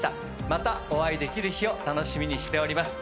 またお会いできる日を楽しみにしております。